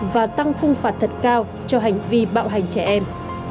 và tăng khung phạt thật cao cho hành vi bạo hành trẻ em